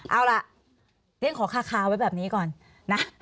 เอาล่ะเรียนขอคาไว้แบบนี้ก่อนนะ